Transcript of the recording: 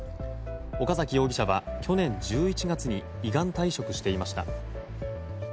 岡崎容疑者は去年１１月に依願退職していました。